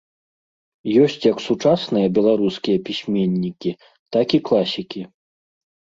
Ёсць як сучасныя беларускія пісьменнікі, так і класікі.